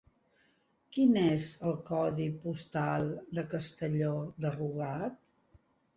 Quin és el codi postal de Castelló de Rugat?